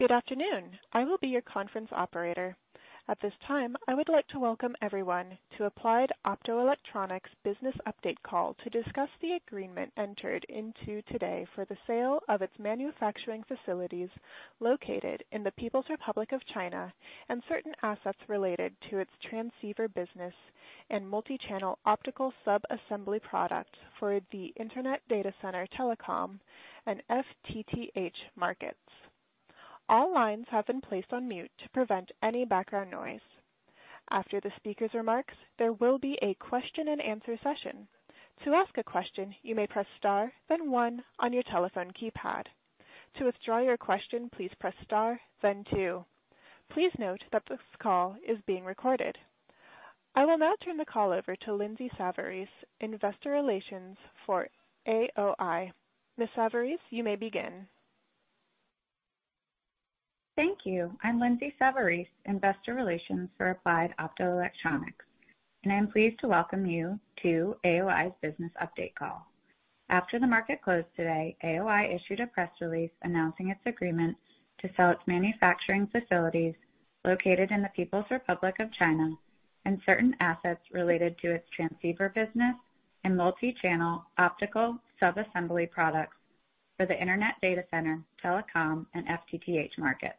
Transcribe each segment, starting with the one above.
Good afternoon. I will be your conference operator. At this time, I would like to welcome everyone to Applied Optoelectronics business update call to discuss the agreement entered into today for the sale of its manufacturing facilities located in the People's Republic of China and certain assets related to its transceiver business and multichannel optical subassembly product for the internet data center telecom and FTTH markets. All lines have been placed on mute to prevent any background noise. After the speaker's remarks, there will be a question-and-answer session. To ask a question, you may press star then one on your telephone keypad. To withdraw your question, please press star then two. Please note that this call is being recorded. I will now turn the call over to Lindsay Savarese, investor relations for AOI. Ms. Savarese, you may begin. Thank you. I'm Lindsay Savarese, investor relations for Applied Optoelectronics, and I'm pleased to welcome you to AOI's business update call. After the market closed today, AOI issued a press release announcing its agreement to sell its manufacturing facilities located in the People's Republic of China and certain assets related to its transceiver business and multichannel optical subassembly products for the Internet data center, telecom and FTTH markets.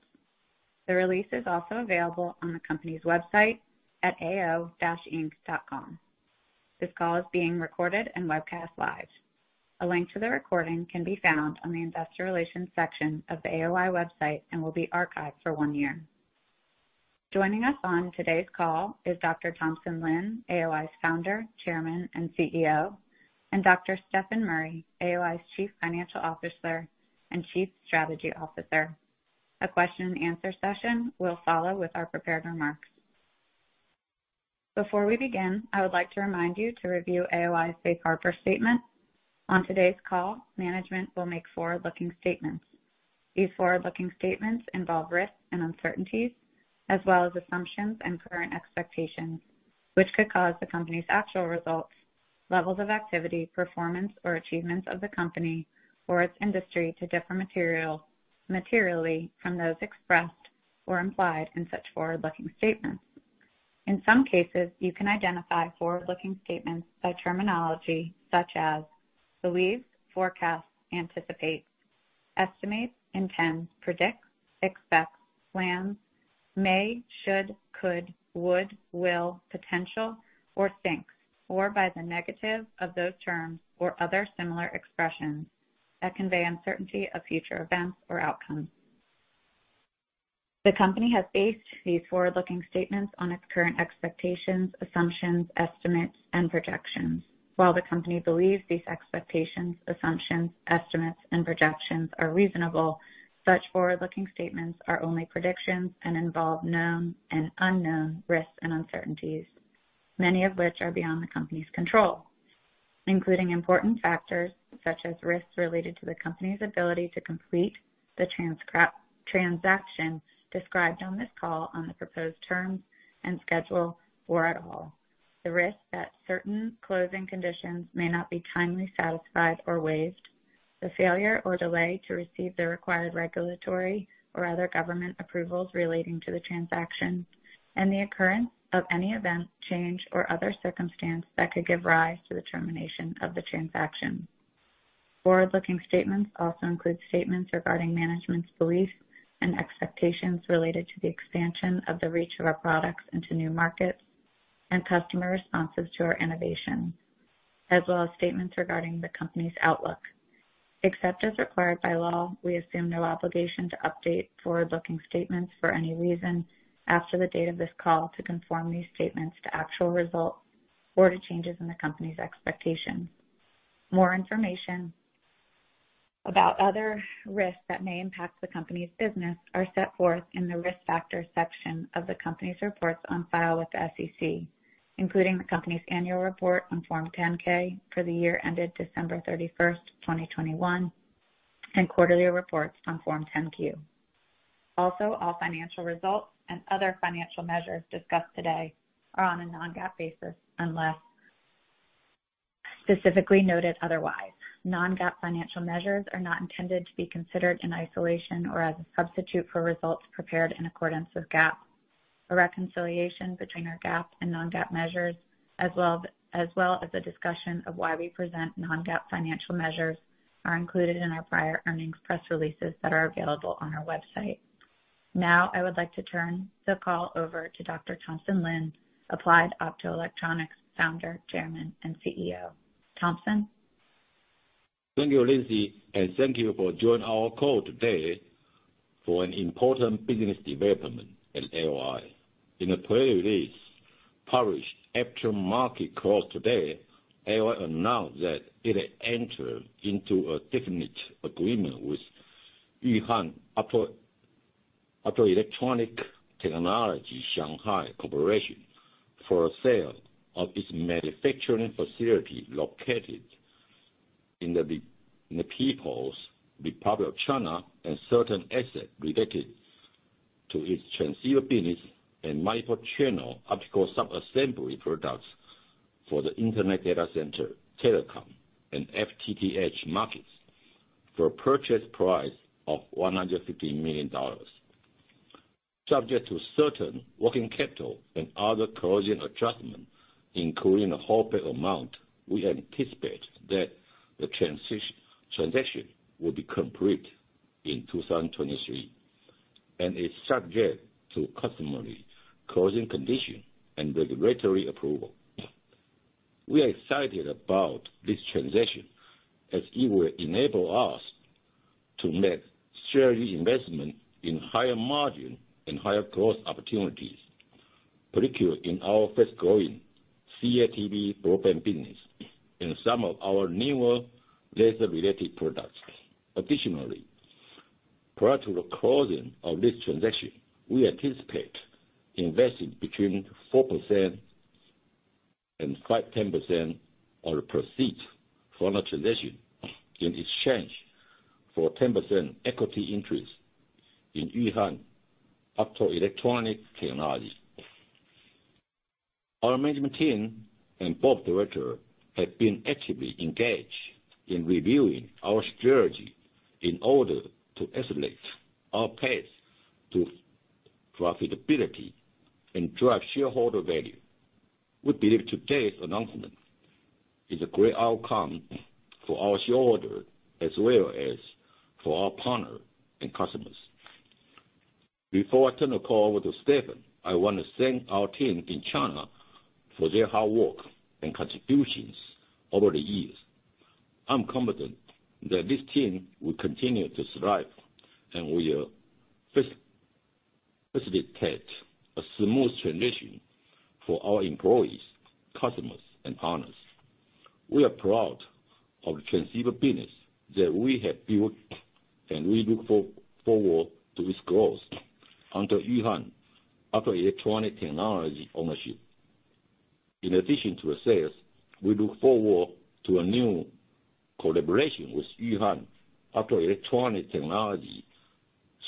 The release is also available on the company's website at ao-inc.com. This call is being recorded and webcast live. A link to the recording can be found on the investor relations section of the AOI website and will be archived for one year. Joining us on today's call is Dr. Thompson Lin, AOI's founder, chairman, and CEO, and Dr. Stefan Murry, AOI's chief financial officer and chief strategy officer. A question-and-answer session will follow with our prepared remarks. Before we begin, I would like to remind you to review AOI's safe harbor statement. On today's call, management will make forward-looking statements. These forward-looking statements involve risks and uncertainties, as well as assumptions and current expectations, which could cause the company's actual results, levels of activity, performance or achievements of the company or its industry to differ materially from those expressed or implied in such forward-looking statements. In some cases, you can identify forward-looking statements by terminology such as believes, forecasts, anticipates, estimates, intends, predicts, expects, plans, may, should, could, would, will, potential, or thinks, or by the negative of those terms or other similar expressions that convey uncertainty of future events or outcomes. The company has based these forward-looking statements on its current expectations, assumptions, estimates and projections. While the company believes these expectations, assumptions, estimates and projections are reasonable, such forward-looking statements are only predictions and involve known and unknown risks and uncertainties, many of which are beyond the company's control, including important factors such as risks related to the company's ability to complete the transaction described on this call on the proposed terms and schedule or at all. The risk that certain closing conditions may not be timely satisfied or waived. The failure or delay to receive the required regulatory or other government approvals relating to the transaction. The occurrence of any event, change or other circumstance that could give rise to the termination of the transaction. Forward-looking statements also include statements regarding management's beliefs and expectations related to the expansion of the reach of our products into new markets and customer responses to our innovation, as well as statements regarding the company's outlook. Except as required by law, we assume no obligation to update forward-looking statements for any reason after the date of this call to conform these statements to actual results or to changes in the company's expectations. More information about other risks that may impact the company's business are set forth in the Risk Factors section of the company's reports on file with the SEC, including the company's annual report on Form 10-K for the year ended December 31st, 2021, and quarterly reports on Form 10-Q. Also, all financial results and other financial measures discussed today are on a non-GAAP basis unless specifically noted otherwise. Non-GAAP financial measures are not intended to be considered in isolation or as a substitute for results prepared in accordance with GAAP. A reconciliation between our GAAP and non-GAAP measures, as well as a discussion of why we present non-GAAP financial measures, are included in our prior earnings press releases that are available on our website. Now, I would like to turn the call over to Dr. Thompson Lin, Applied Optoelectronics founder, chairman, and CEO. Thompson? Thank you, Lindsay, and thank you for joining our call today for an important business development at AOI. In a press release published after market close today, AOI announced that it had entered into a definite agreement with Yuhan Optoelectronic Technology (Shanghai) Co., Ltd. for sale of its manufacturing facility located in the People's Republic of China and certain assets related to its transceiver business and multichannel optical subassembly products for the internet data center, telecom, and FTTH markets for a purchase price of $150 million. Subject to certain working capital and other closing adjustments, including a holdback amount, we anticipate that the transaction will be complete in 2023, and is subject to customary closing conditions and regulatory approval. We are excited about this transaction as it will enable us to make strategic investment in higher margin and higher growth opportunities, particularly in our fast-growing CATV broadband business in some of our newer laser-related products. Additionally, prior to the closing of this transaction, we anticipate investing between 4% and 10% of the proceeds from the transaction in exchange for 10% equity interest in Yuhan Optoelectronic Technology. Our management team and board of director have been actively engaged in reviewing our strategy in order to accelerate our path to profitability and drive shareholder value. We believe today's announcement is a great outcome for our shareholder as well as for our partner and customers. Before I turn the call over to Stefan, I want to thank our team in China for their hard work and contributions over the years. I'm confident that this team will continue to thrive, and we are facilitating a smooth transition for our employees, customers, and partners. We are proud of the transceiver business that we have built, and we look forward to its growth under Yuhan Optoelectronic Technology ownership. In addition to the sales, we look forward to a new collaboration with Yuhan Optoelectronic Technology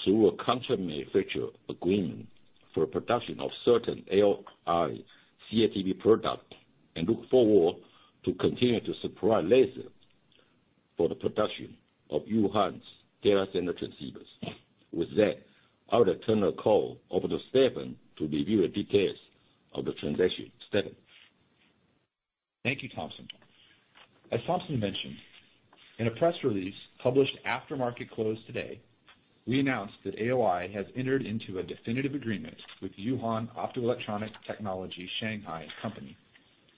through a contract manufacturing agreement for production of certain AOI CATV product, and look forward to continuing to supply lasers for the production of Yuhan's data center transceivers. With that, I would turn the call over to Stefan to review the details of the transaction. Stefan. Thank you, Thompson. As Thompson mentioned, in a press release published after market close today, we announced that AOI has entered into a definitive agreement with Yuhan Optoelectronic Technology (Shanghai) Co., Ltd.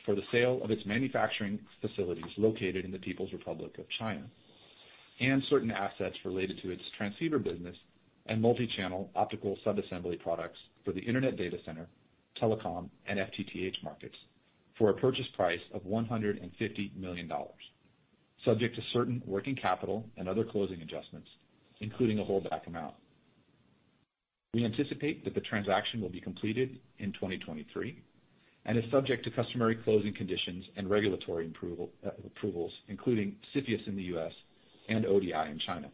for the sale of its manufacturing facilities located in the People's Republic of China, and certain assets related to its transceiver business and multichannel optical subassembly products for the internet data center, telecom, and FTTH markets, for a purchase price of $150 million, subject to certain working capital and other closing adjustments, including a holdback amount. We anticipate that the transaction will be completed in 2023, and is subject to customary closing conditions and regulatory approvals, including CFIUS in the U.S. and ODI in China.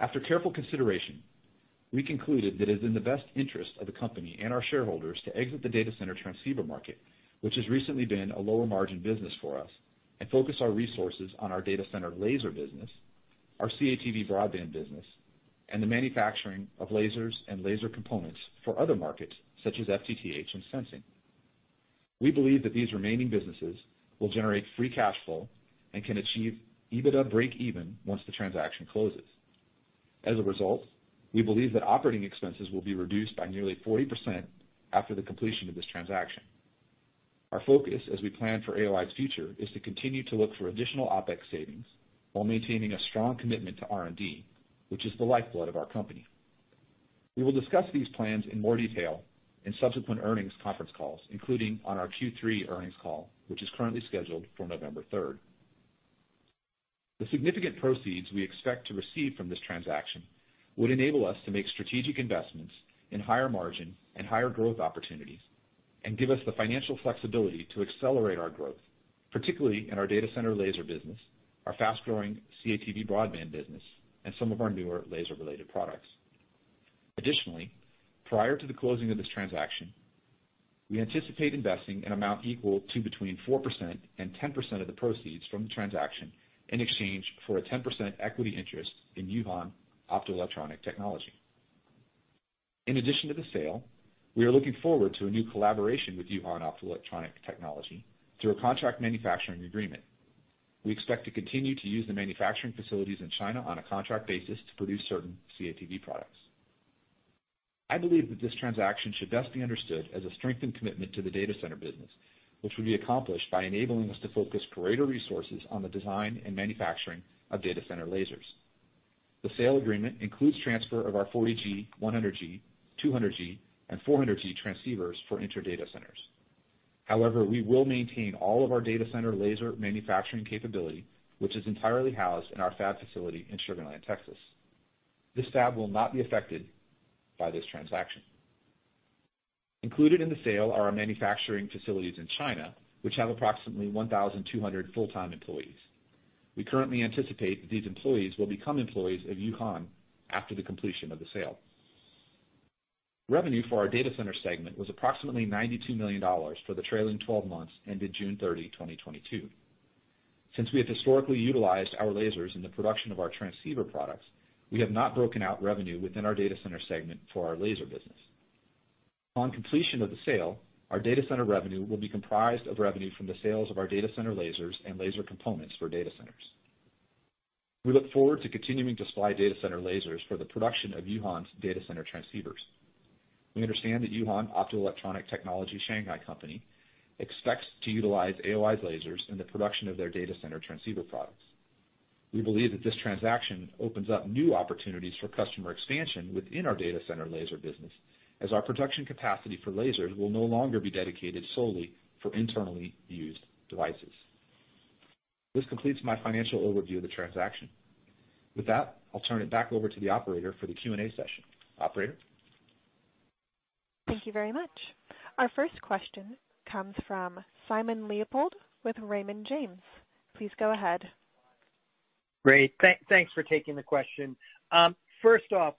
After careful consideration, we concluded that it's in the best interest of the company and our shareholders to exit the data center transceiver market, which has recently been a lower margin business for us, and focus our resources on our data center laser business, our CATV broadband business, and the manufacturing of lasers and laser components for other markets such as FTTH and sensing. We believe that these remaining businesses will generate free cash flow and can achieve EBITDA breakeven once the transaction closes. As a result, we believe that operating expenses will be reduced by nearly 40% after the completion of this transaction. Our focus as we plan for AOI's future is to continue to look for additional OpEx savings while maintaining a strong commitment to R&D, which is the lifeblood of our company. We will discuss these plans in more detail in subsequent earnings conference calls, including on our Q3 earnings call, which is currently scheduled for November third. The significant proceeds we expect to receive from this transaction would enable us to make strategic investments in higher margin and higher growth opportunities and give us the financial flexibility to accelerate our growth, particularly in our data center laser business, our fast-growing CATV broadband business, and some of our newer laser-related products. Additionally, prior to the closing of this transaction, we anticipate investing an amount equal to between 4% and 10% of the proceeds from the transaction in exchange for a 10% equity interest in Yuhan Optoelectronic Technology. In addition to the sale, we are looking forward to a new collaboration with Yuhan Optoelectronic Technology through a contract manufacturing agreement. We expect to continue to use the manufacturing facilities in China on a contract basis to produce certain CATV products. I believe that this transaction should best be understood as a strengthened commitment to the data center business, which will be accomplished by enabling us to focus greater resources on the design and manufacturing of data center lasers. The sale agreement includes transfer of our 40G, 100G, 200G, and 400G transceivers for inter data centers. However, we will maintain all of our data center laser manufacturing capability, which is entirely housed in our fab facility in Sugar Land, Texas. This fab will not be affected by this transaction. Included in the sale are our manufacturing facilities in China, which have approximately 1,200 full-time employees. We currently anticipate that these employees will become employees of Yuhan after the completion of the sale. Revenue for our data center segment was approximately $92 million for the trailing twelve months ended June 30th, 2022. Since we have historically utilized our lasers in the production of our transceiver products, we have not broken out revenue within our data center segment for our laser business. On completion of the sale, our data center revenue will be comprised of revenue from the sales of our data center lasers and laser components for data centers. We look forward to continuing to supply data center lasers for the production of Yuhan's data center transceivers. We understand that Yuhan Optoelectronic Technology (Shanghai) Co., Ltd. expects to utilize AOI's lasers in the production of their data center transceiver products. We believe that this transaction opens up new opportunities for customer expansion within our data center laser business, as our production capacity for lasers will no longer be dedicated solely for internally used devices. This completes my financial overview of the transaction. With that, I'll turn it back over to the operator for the Q&A session. Operator? Thank you very much. Our first question comes from Simon Leopold with Raymond James. Please go ahead. Great. Thanks for taking the question. First off,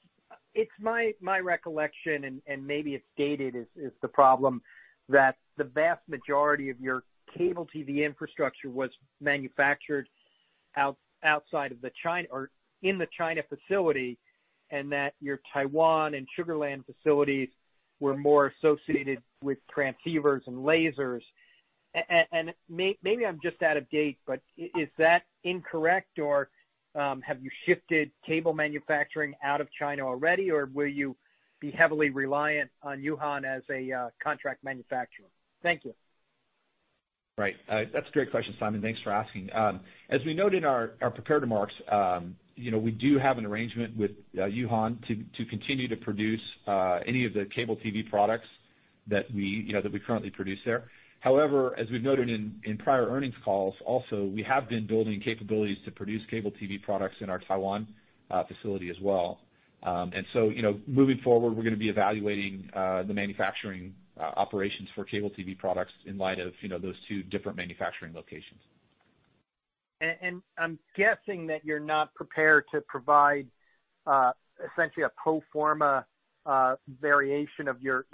it's my recollection, and maybe it's dated. Is the problem that the vast majority of your cable TV infrastructure was manufactured outside of China or in the China facility, and that your Taiwan and Sugar Land facilities were more associated with transceivers and lasers? Maybe I'm just out of date, but is that incorrect, or have you shifted cable manufacturing out of China already? Or will you be heavily reliant on Yuhan as a contract manufacturer? Thank you. Right. That's a great question, Simon. Thanks for asking. As we noted in our prepared remarks, you know, we do have an arrangement with Yuhan to continue to produce any of the cable TV products that we, you know, that we currently produce there. However, as we've noted in prior earnings calls also, we have been building capabilities to produce cable TV products in our Taiwan facility as well. You know, moving forward, we're gonna be evaluating the manufacturing operations for cable TV products in light of you know, those two different manufacturing locations. I'm guessing that you're not prepared to provide essentially a pro forma variation of your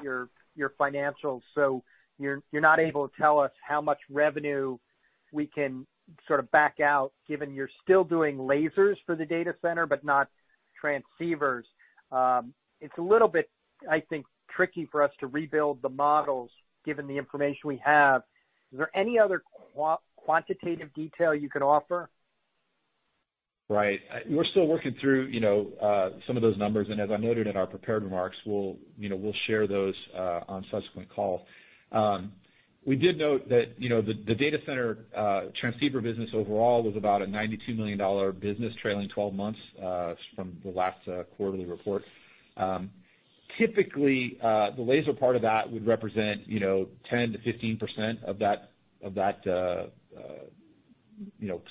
financials. You're not able to tell us how much revenue we can sort of back out, given you're still doing lasers for the data center but not transceivers. It's a little bit, I think, tricky for us to rebuild the models given the information we have. Is there any other quantitative detail you can offer? Right. We're still working through, you know, some of those numbers. As I noted in our prepared remarks, we'll, you know, share those on subsequent calls. We did note that, you know, the data center transceiver business overall was about a $92 million business trailing twelve months from the last quarterly report. Typically, the laser part of that would represent, you know, 10% to 15% of that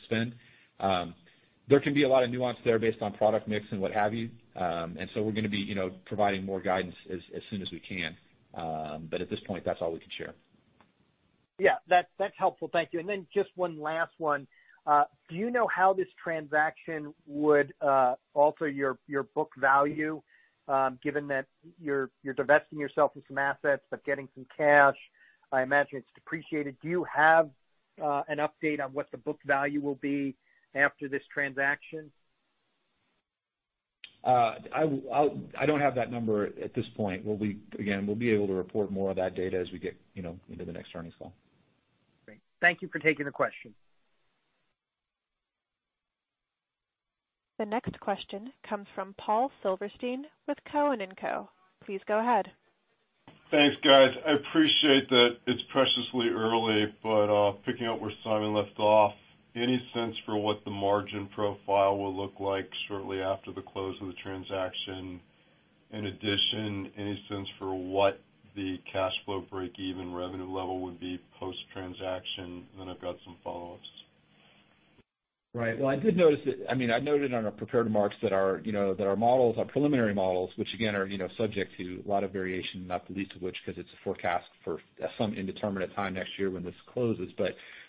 spend. There can be a lot of nuance there based on product mix and what have you. We're gonna be, you know, providing more guidance as soon as we can. At this point, that's all we can share. Yeah, that's helpful. Thank you. Then just one last one. Do you know how this transaction would alter your book value? Given that you're divesting yourself of some assets, but getting some cash, I imagine it's depreciated. Do you have an update on what the book value will be after this transaction? I don't have that number at this point. Again, we'll be able to report more of that data as we get, you know, into the next earnings call. Great. Thank you for taking the question. The next question comes from Paul Silverstein with Cowen and Company. Please go ahead. Thanks, guys. I appreciate that it's precious early, but picking up where Simon left off. Any sense for what the margin profile will look like shortly after the close of the transaction? In addition, any sense for what the cash flow breakeven revenue level would be post-transaction? I've got some follow-ups. Right. Well, I noted on our prepared remarks that our, you know, that our models, our preliminary models, which again are, you know, subject to a lot of variation, not the least of which because it's a forecast for some indeterminate time next year when this closes.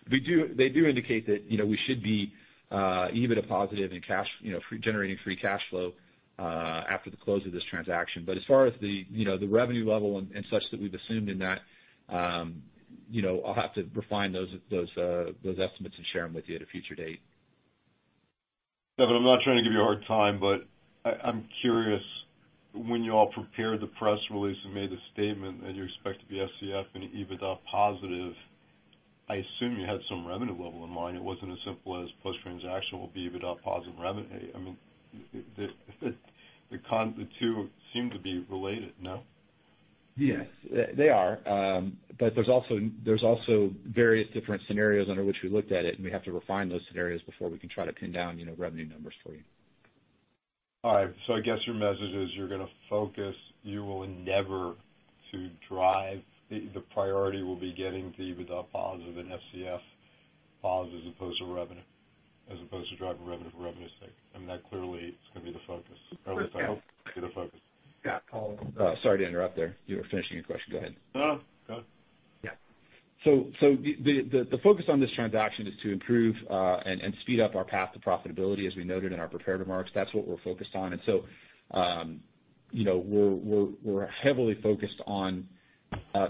They do indicate that, you know, we should be EBITDA positive in cash, you know, generating free cash flow after the close of this transaction. As far as the, you know, the revenue level and such that we've assumed in that, you know, I'll have to refine those estimates and share them with you at a future date. Yeah, I'm not trying to give you a hard time, but I'm curious, when you all prepared the press release and made the statement that you expect to be FCF and EBITDA positive, I assume you had some revenue level in mind. It wasn't as simple as post-transaction will be EBITDA positive revenue. I mean, the two seem to be related, no? Yes. They are. There's also various different scenarios under which we looked at it, and we have to refine those scenarios before we can try to pin down, you know, revenue numbers for you. All right. I guess your message is you're gonna focus. The priority will be getting to EBITDA positive and FCF as opposed to revenue, as opposed to driving revenue for revenue's sake. I mean, that clearly is gonna be the focus. At least I hope it's gonna be the focus. Yeah. Oh. Sorry to interrupt there. You were finishing your question. Go ahead. No, no. Yeah. The focus on this transaction is to improve and speed up our path to profitability, as we noted in our prepared remarks. That's what we're focused on. You know, we're heavily focused on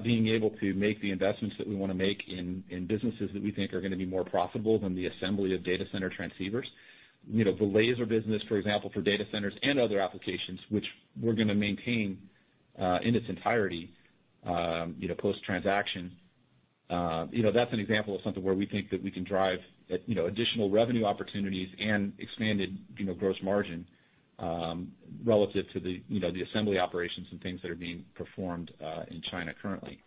being able to make the investments that we wanna make in businesses that we think are gonna be more profitable than the assembly of data center transceivers. You know, the laser business, for example, for data centers and other applications, which we're gonna maintain in its entirety, you know, post-transaction, you know, that's an example of something where we think that we can drive, you know, additional revenue opportunities and expanded, you know, gross margin relative to the assembly operations and things that are being performed in China currently.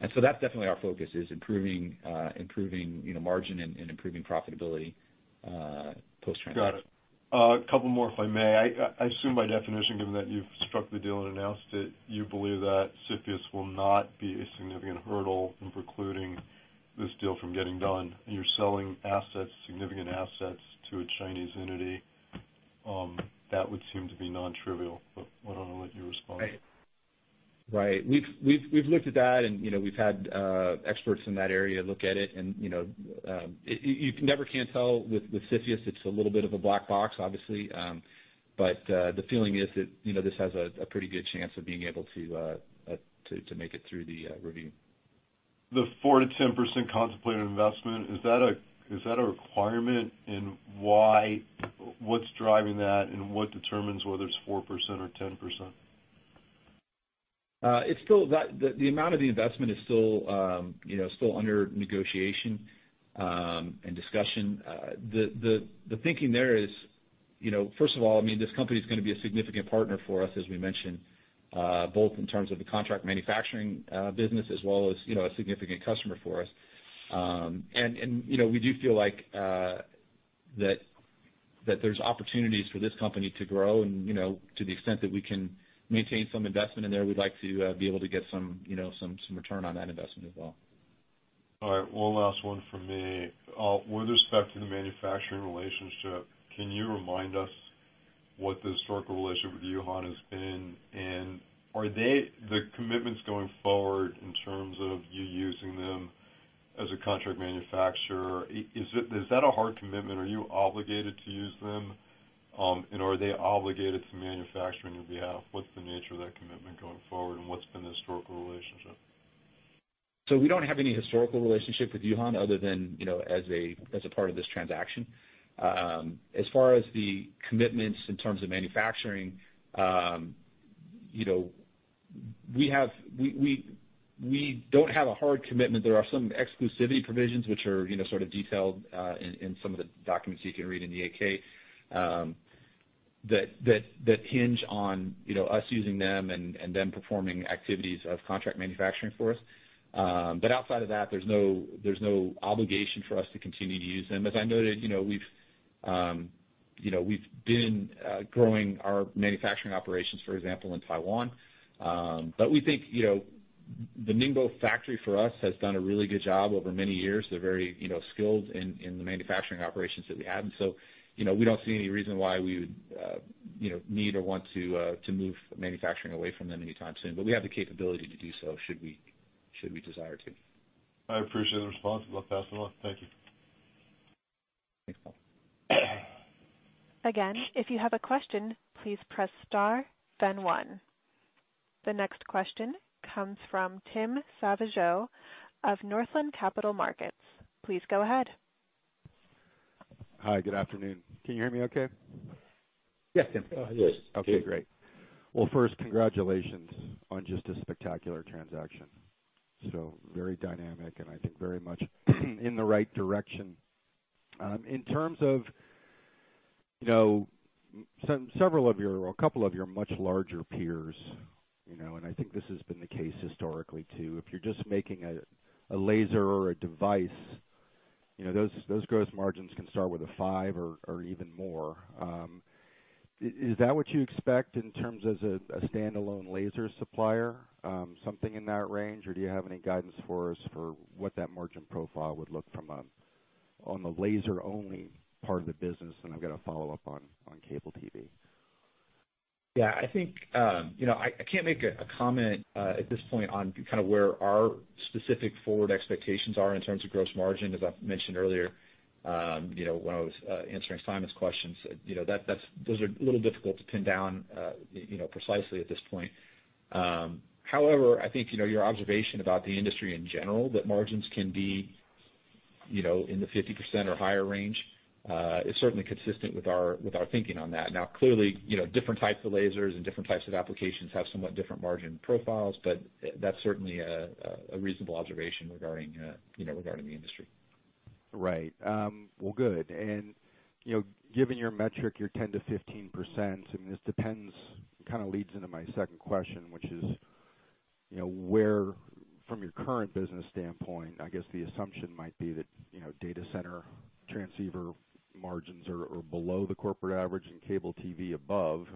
That's definitely our focus, is improving margin and improving profitability post-transaction. Got it. A couple more, if I may. I assume by definition, given that you've struck the deal and announced it, you believe that CFIUS will not be a significant hurdle in precluding this deal from getting done. You're selling assets, significant assets to a Chinese entity, that would seem to be non-trivial. I don't know what your response is. Right. We've looked at that and, you know, we've had experts in that area look at it. You know, you never can tell with CFIUS, it's a little bit of a black box, obviously. The feeling is that, you know, this has a pretty good chance of being able to make it through the review. The 4% to 10% contemplated investment, is that a requirement? Why, what's driving that, and what determines whether it's 4% or 10%? The amount of the investment is still, you know, still under negotiation and discussion. The thinking there is, you know, first of all, I mean, this company is gonna be a significant partner for us, as we mentioned, both in terms of the contract manufacturing business as well as, you know, a significant customer for us. We do feel like that there's opportunities for this company to grow and, you know, to the extent that we can maintain some investment in there, we'd like to be able to get some return on that investment as well. All right. One last one from me. With respect to the manufacturing relationship, can you remind us what the historical relationship with Yuhan has been? Are there commitments going forward in terms of you using them as a contract manufacturer, is that a hard commitment? Are you obligated to use them, and are they obligated to manufacture on your behalf? What's the nature of that commitment going forward, and what's been the historical relationship? We don't have any historical relationship with Yuhan other than, you know, as a part of this transaction. As far as the commitments in terms of manufacturing, you know, we don't have a hard commitment. There are some exclusivity provisions which are, you know, sort of detailed in some of the documents you can read in the Form 8-K, that hinge on, you know, us using them and them performing activities of contract manufacturing for us. But outside of that, there's no obligation for us to continue to use them. As I noted, you know, we've, you know, we've been growing our manufacturing operations, for example, in Taiwan. But we think, you know, the Ningbo factory for us has done a really good job over many years. They're very, you know, skilled in the manufacturing operations that we have. You know, we don't see any reason why we would, you know, need or want to move manufacturing away from them anytime soon. We have the capability to do so, should we desire to. I appreciate the response. I'll pass it on. Thank you. Thanks, Paul. Again, if you have a question, please press star, then one. The next question comes from Tim Savageaux of Northland Capital Markets. Please go ahead. Hi, good afternoon. Can you hear me okay? Yes, Tim. Yes. Okay, great. Well, first, congratulations on just a spectacular transaction. Very dynamic and I think very much in the right direction. In terms of, you know, several of your or a couple of your much larger peers, you know, and I think this has been the case historically too. If you're just making a laser or a device, you know, those gross margins can start with a five or even more. Is that what you expect in terms of a standalone laser supplier, something in that range, or do you have any guidance for us for what that margin profile would look like on the laser-only part of the business? I've got a follow-up on cable TV. Yeah. I think, you know, I can't make a comment at this point on kind of where our specific forward expectations are in terms of gross margin. As I mentioned earlier, you know, when I was answering Simon's questions, you know, those are a little difficult to pin down, you know, precisely at this point. However, I think, you know, your observation about the industry in general, that margins can be, you know, in the 50% or higher range, is certainly consistent with our thinking on that. Now, clearly, you know, different types of lasers and different types of applications have somewhat different margin profiles, but that's certainly a reasonable observation regarding, you know, regarding the industry. Right. Well, good. You know, given your metric, your 10% to 15%, I mean, this depends, kind of leads into my second question, which is, you know, where from your current business standpoint, I guess the assumption might be that, you know, data center transceiver margins are below the corporate average and cable TV above.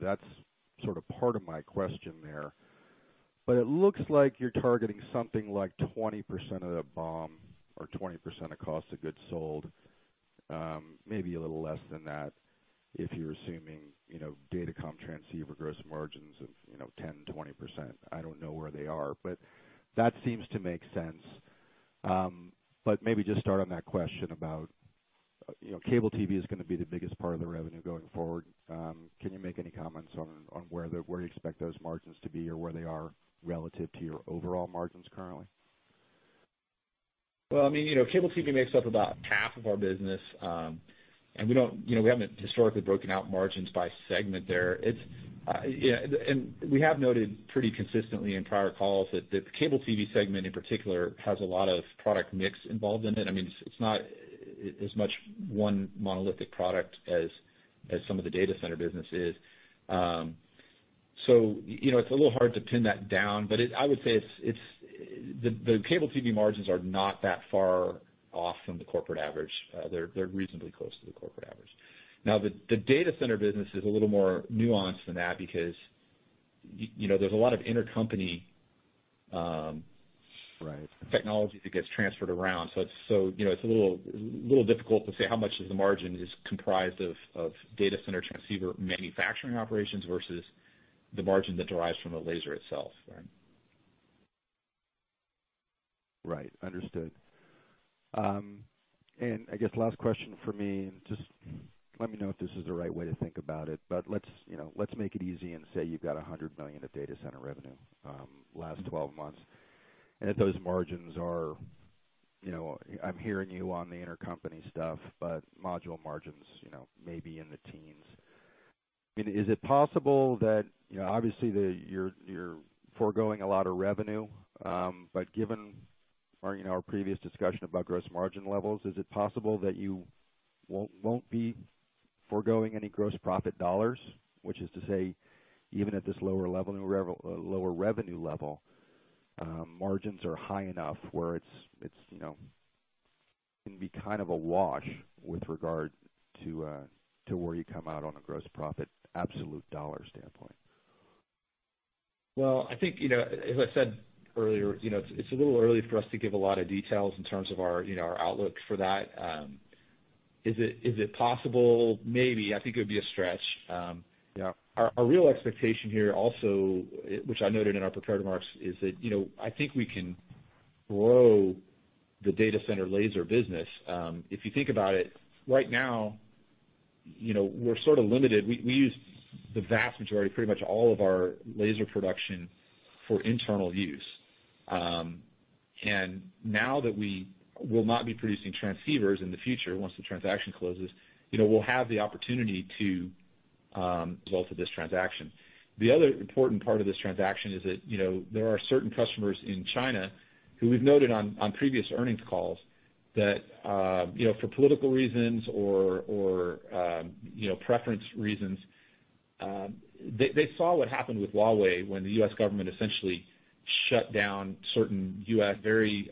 That's sort of part of my question there. It looks like you're targeting something like 20% of the BOM or 20% of cost of goods sold, maybe a little less than that if you're assuming, you know, data comm transceiver gross margins of, you know, 10%, 20%. I don't know where they are, but that seems to make sense. Maybe just start on that question about, you know, cable TV is gonna be the biggest part of the revenue going forward. Can you make any comments on where you expect those margins to be or where they are relative to your overall margins currently? Well, I mean, you know, cable TV makes up about half of our business, and we don't, you know, we haven't historically broken out margins by segment there. It's, yeah. We have noted pretty consistently in prior calls that the cable TV segment, in particular, has a lot of product mix involved in it. I mean, it's not as much one monolithic product as some of the data center business is. So, you know, it's a little hard to pin that down, but I would say it's. The cable TV margins are not that far off from the corporate average. They're reasonably close to the corporate average. Now, the data center business is a little more nuanced than that because, you know, there's a lot of intercompany, Right technology that gets transferred around. It's so, you know, it's a little difficult to say how much of the margin is comprised of data center transceiver manufacturing operations versus the margin that derives from the laser itself. Right. Understood. I guess last question for me, just let me know if this is the right way to think about it, but let's, you know, let's make it easy and say you've got $100 million of data center revenue last twelve months, and if those margins are, you know. I'm hearing you on the intercompany stuff, but module margins, you know, may be in the teens. I mean, is it possible that, you know, obviously you're foregoing a lot of revenue, but given our, you know, our previous discussion about gross margin levels, is it possible that you won't be foregoing any gross profit dollars, which is to say, even at this lower revenue level, margins are high enough where it's you know can be kind of a wash with regard to where you come out on a gross profit absolute dollar standpoint? Well, I think, you know, as I said earlier, you know, it's a little early for us to give a lot of details in terms of our, you know, our outlook for that. Is it possible? Maybe. I think it would be a stretch. Yeah. Our real expectation here also, which I noted in our prepared remarks, is that, you know, I think we can grow the data center laser business. If you think about it, right now, you know, we're sort of limited. We use the vast majority, pretty much all of our laser production for internal use. Now that we will not be producing transceivers in the future, once the transaction closes, you know, we'll have the opportunity to, result of this transaction. The other important part of this transaction is that, you know, there are certain customers in China who we've noted on previous earnings calls that, you know, for political reasons or preference reasons, they saw what happened with Huawei when the U.S. government essentially shut down certain U.S. very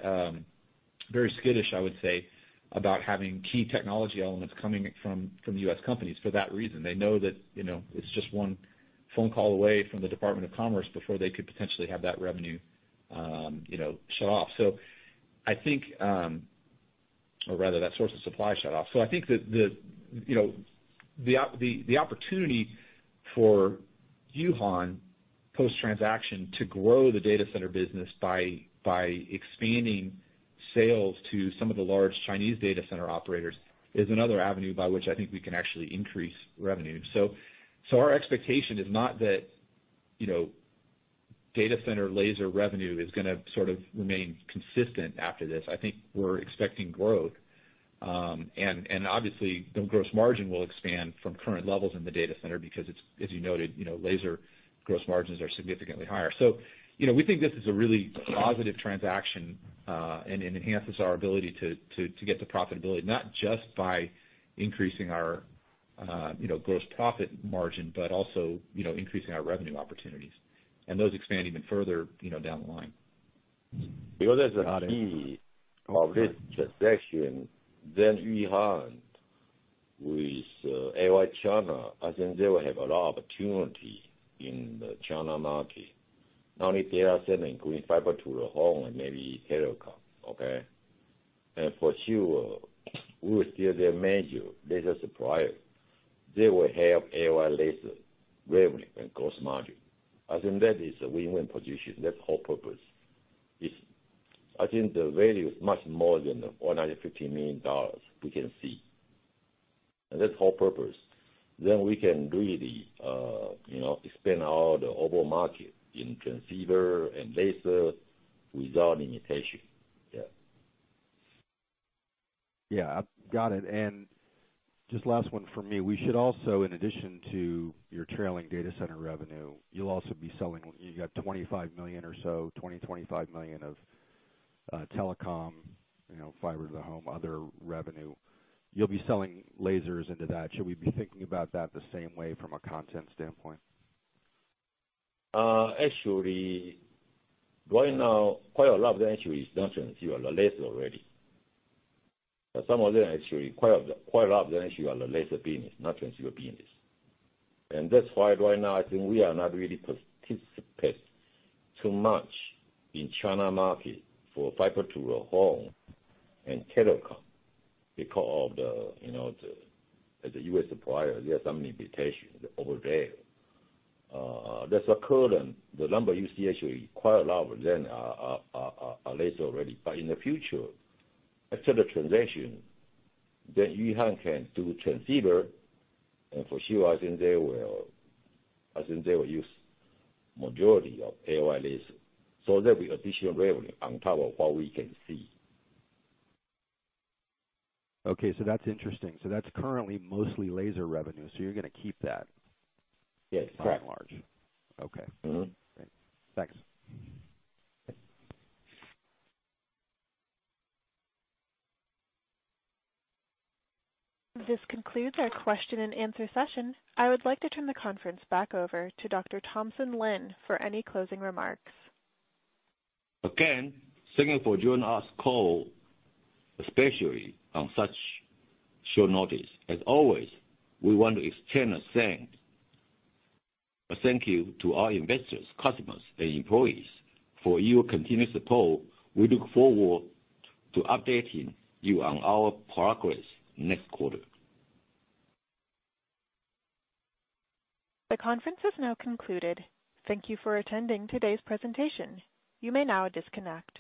skittish, I would say, about having key technology elements coming from U.S. companies for that reason. They know that, you know, it's just one phone call away from the Department of Commerce before they could potentially have that revenue shut off. I think, or rather that source of supply shut off. I think that the opportunity for Yuhan post-transaction to grow the data center business by expanding sales to some of the large Chinese data center operators is another avenue by which I think we can actually increase revenue. Our expectation is not that, you know, data center laser revenue is gonna sort of remain consistent after this. I think we're expecting growth. And obviously, the gross margin will expand from current levels in the data center because it's, as you noted, you know, laser gross margins are significantly higher. you know, we think this is a really positive transaction, and it enhances our ability to get the profitability, not just by increasing our, you know, gross profit margin, but also, you know, increasing our revenue opportunities, and those expand even further, you know, down the line. Because as a key of this transaction, Yuhan with AOI China, I think they will have a lot of opportunity in the China market. Not only data center, including fiber to the home and maybe telecom, okay? For sure, we're still their major laser supplier. They will have AOI laser revenue and gross margin. I think that is a win-win position. That's whole purpose is I think the value is much more than the $150 million we can see. That's whole purpose. We can really, you know, expand out the overall market in transceiver and laser without limitation. Yeah. Yeah. I've got it. Just last one for me. We should also, in addition to your trailing data center revenue, you've got $25 million or so, $25 million of telecom, you know, fiber to the home, other revenue. You'll be selling lasers into that. Should we be thinking about that the same way from a content standpoint? Actually, right now, quite a lot of the revenue is not transceiver, the laser already. Some of them actually quite a lot of the revenue are the laser business, not transceiver business. That's why right now, I think we are not really participants too much in China market for fiber to the home and telecom because of, you know, as a U.S. supplier, there are some limitations over there. That's our current. The number you see actually quite a lot of them are laser already. In the future, after the transaction, Yuhan can do transceiver, and for sure, I think they will use majority of AOI laser. There'll be additional revenue on top of what we can see. Okay. That's interesting. That's currently mostly laser revenue. You're gonna keep that. Yes, correct. By and large. Okay. Great. Thanks. This concludes our question and answer session. I would like to turn the conference back over to Dr. Thompson Lin for any closing remarks. Again, thank you for joining us on the call, especially on such short notice. As always, we want to extend a thank you to our investors, customers, and employees for your continued support. We look forward to updating you on our progress next quarter. The conference is now concluded. Thank you for attending today's presentation. You may now disconnect.